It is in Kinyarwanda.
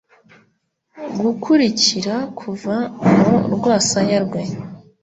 gukurikira kuva mu rwasaya rwe.